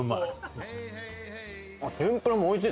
天ぷらもおいしい。